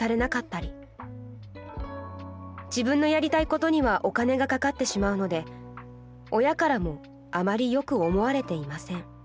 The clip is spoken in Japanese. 自分のやりたいことにはお金がかかってしまうので親からもあまりよく思われていません。